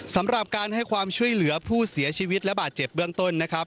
สำหรับการให้ความช่วยเหลือผู้เสียชีวิตและบาดเจ็บเบื้องต้นนะครับ